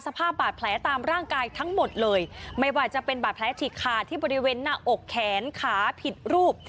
สภาพบาดแผลตามร่างกายทั้งหมดเลยไม่ว่าจะเป็นบาดแผลฉีกขาดที่บริเวณหน้าอกแขนขาผิดรูป